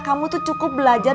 kamu tuh cukup belajar